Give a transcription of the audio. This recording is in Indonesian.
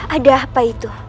ada apa itu